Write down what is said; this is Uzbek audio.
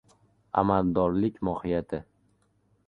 Amaldorlik mohiyati